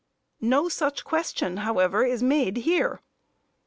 No such question, however, is made here.